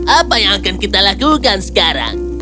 apa yang akan kita lakukan sekarang